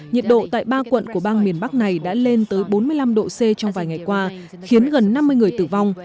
lệ ba quận của bang miền bắc này đã lên tới bốn mươi năm độ c trong vài ngày qua khiến gần năm mươi người tử vong